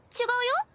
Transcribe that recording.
違うよ。